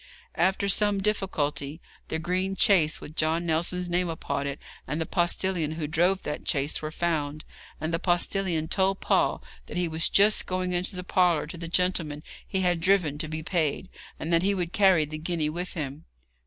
After some difficulty the green chaise with John Nelson's name upon it, and the postillion who drove that chaise, were found, and the postillion told Paul that he was just going into the parlour to the gentleman he had driven to be paid, and that he would carry the guinea with him.